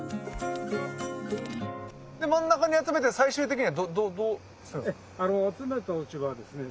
真ん中に集めて最終的にはどうするんですか？